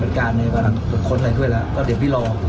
ขออย่างนี้ก่อนนะครับ